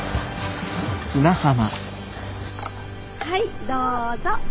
はいどうぞ。